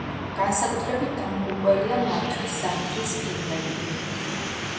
განსაკუთრებით დამღუპველია მათთვის ზამთრის ყინვები.